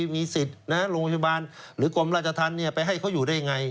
มีสิทธิ์โรงพยาบาลหรือกรมราชธรรมไปให้เขาอยู่ได้ยังไง